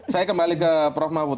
saya kembali ke prof mahfud